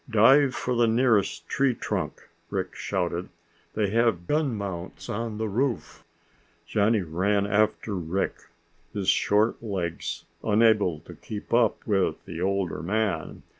"Dive for the nearest tree trunk," Rick shouted. "They have gun mounts on the roof." Johnny ran after Rick, his short legs unable to keep up with the older man.